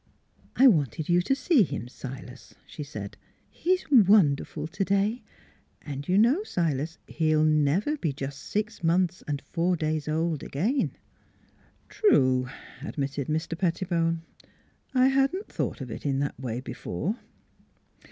" I wanted you to see him, Silas," she said. " He's wonderful today ! And you know, Silas, he'll never be just six months and four days old again." 295 296 NEIGHBORS " True," admitted Mr. Pettibone. " I hadn't thought of it in that way before."